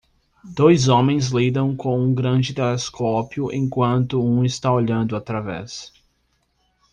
Dois homens lidam com um grande telescópio enquanto um está olhando através